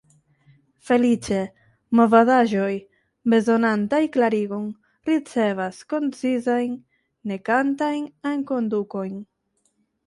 Feliĉe, movadaĵoj, bezonantaj klarigon, ricevas koncizajn nekantajn enkondukojn.